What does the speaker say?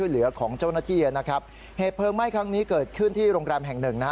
เหตุเพลิงไหม้ครั้งนี้เกิดขึ้นที่โรงแรมแห่งหนึ่ง